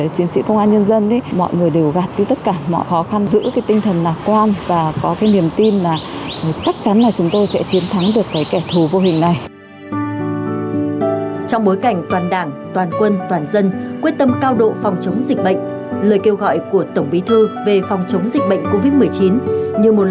trong bối cảnh toàn đảng toàn quân tổng bí thư tổng bí thư tổng bí thư tổng bí thư tổng bí thư tổng bí thư